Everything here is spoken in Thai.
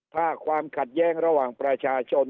ถ้าความขัดแย้งระหว่างประชาชน